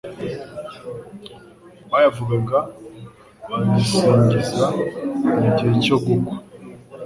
bayavugaga bazisingiza mu gihe cyo gukwa,